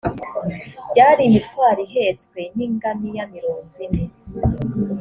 byari imitwaro ihetswe n ingamiya mirongo ine